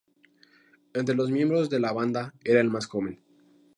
Entre los miembros de la banda era el más joven.